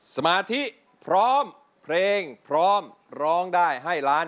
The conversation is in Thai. สมาธิพร้อมเพลงพร้อมร้องได้ให้ล้าน